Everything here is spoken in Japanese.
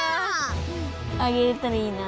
上げられたらいいな。